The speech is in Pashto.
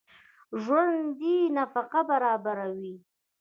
ژوندي نفقه برابروي